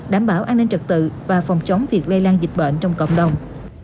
đảm bảo an ninh trật tự và phòng chống việc lây lan dịch bệnh trong cộng đồng